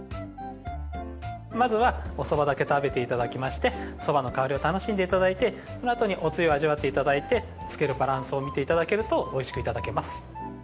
まずはおそばだけ食べて頂きましてそばの香りを楽しんで頂いてそのあとにおつゆを味わって頂いてつけるバランスを見て頂けるとおいしく頂けます。